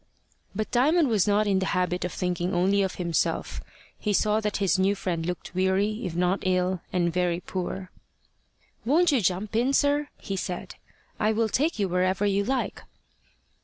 But Diamond was not in the habit of thinking only of himself. He saw that his new friend looked weary, if not ill, and very poor. "Won't you jump in, sir?" he said. "I will take you wherever you like."